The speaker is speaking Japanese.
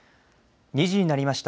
２時になりました。